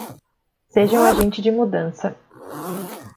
Seja um agente de mudança